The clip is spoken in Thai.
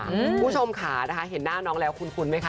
คุณผู้ชมค่ะนะคะเห็นหน้าน้องแล้วคุ้นไหมคะ